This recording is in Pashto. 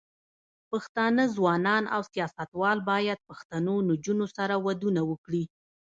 پښتانه ځوانان او سياستوال بايد پښتنو نجونو سره ودونه وکړي.